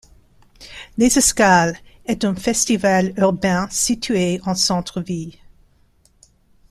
Les Escales, est un festival urbain situé en centre ville.